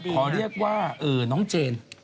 ขอเรียกว่าน้องเจน